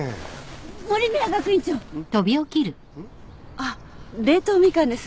あっ冷凍みかんです。